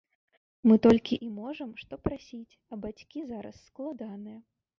Мы толькі і можам, што прасіць, а бацькі зараз складаныя.